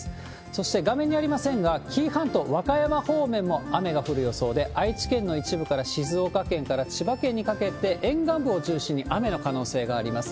そして、画面にありませんが、紀伊半島、和歌山方面も雨が降る予想で、愛知県の一部から、静岡県から千葉県にかけて、沿岸部を中心に雨の可能性があります。